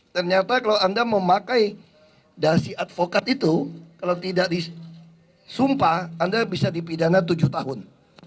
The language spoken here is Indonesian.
ternyata kalau anda memakai dasi advokat itu kalau tidak disumpah anda bisa dipidana tujuh tahun